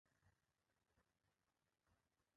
ماشوم د مور له څارنې خوندي پاتې کېږي.